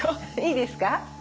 いいですか？